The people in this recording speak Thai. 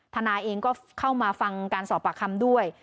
ทนายเองก็เข้ามาฟังการสอบปากคำด้วย